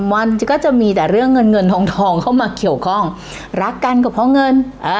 วันก็จะมีแต่เรื่องเงินเงินทองทองเข้ามาเกี่ยวข้องรักกันก็เพราะเงิน